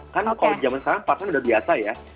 kan kalau zaman sekarang part time udah biasa ya